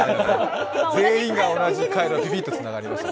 全員が同じ回路でビビッとつながりました。